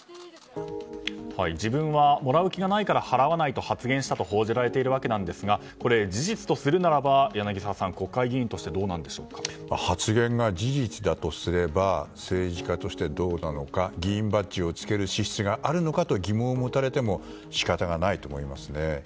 自分はもらう気がないから払わないと発言したと報じられているわけですがこれ、事実とするならば柳澤さん国会議員として発言が事実だとすれば政治家としてどうなのか議員バッジをつける資質があるのか疑問を持たれても仕方がないと思います。